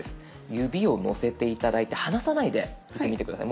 指をのせて頂いて離さないで打ってみて下さい。